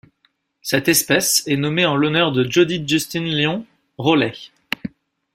Cette espèce est nommée en l'honneur de Jodi Justine Lyon Rowley.